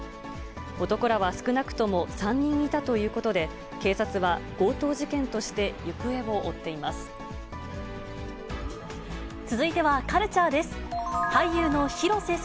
男らは少なくとも３人いたということで、警察は強盗事件として行方を追っています。